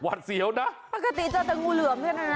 วัดเสียวนะปกติเจอแต่งูเหลือเหมือนกันนะ